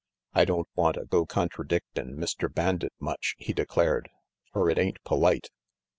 "I don't wanta go contradictin' Mr. Bandit much," he declared, "fer it ain't polite.